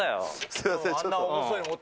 すみません、ちょっと。